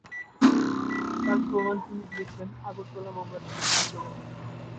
তার প্রমাণ তিনি দিয়েছেন আগরতলা মামলা থেকে শুরু করে।